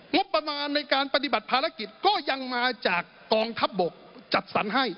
งบประมาณในการปฏิบัติภารกิจก็ยังมาจากกองทัพบกจัดสรรให้